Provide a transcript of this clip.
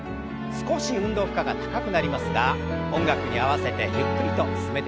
少し運動負荷が高くなりますが音楽に合わせてゆっくりと進めてみましょう。